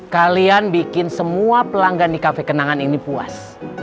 kalian bikin semua pelanggan di kafe kenangan ini puas